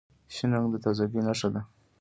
شین رنګ د تازګۍ نښه ده.